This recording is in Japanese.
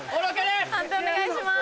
判定お願いします。